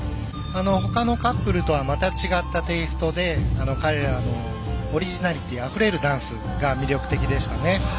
ほかのカップルとはまた違ったテイストで彼らのオリジナリティーあふれるダンスが魅力的でしたね。